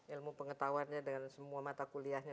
ilmu pengetahuannya dengan semua mata kuliahnya